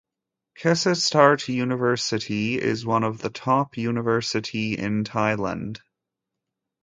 Kasetsart University is one of the top university in Thailand.